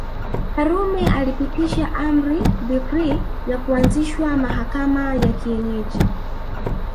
Karume alipitisha amri decree ya kuanzishwa mahakama za kienyeji